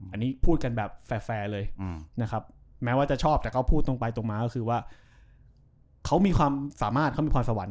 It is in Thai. อันนี้พูดกันแบบแฟร์เลยนะครับแม้ว่าจะชอบแต่เขาพูดตรงไปตรงมาก็คือว่าเขามีความสามารถเขามีพรสวรร